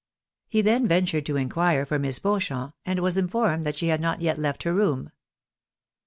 He then ventured to inquire for Miss Seauchamp, and was informed that she had not yet left her room.